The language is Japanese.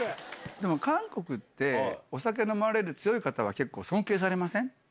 でも韓国って、お酒飲まれる強い方は結構、尊敬されません？